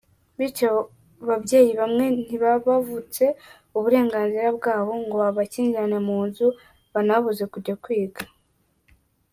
Bityo babyeyi bamwe ntibabavutse uburenganzira bwabo ngo babakingirane mu nzu babanababuze kujya kwiga.